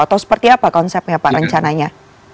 atau seperti apa konsepnya pak rencananya